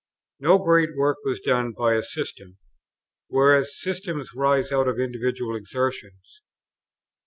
No great work was done by a system; whereas systems rise out of individual exertions.